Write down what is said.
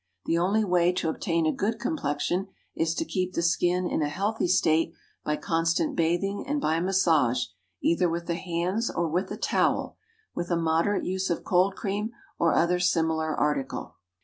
The only way to obtain a good complexion is to keep the skin in a healthy state by constant bathing and by massage, either with the hands or with a towel, with a moderate use of cold cream or other similar article.